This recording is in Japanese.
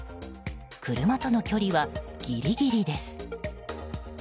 車との距離はギリギリです。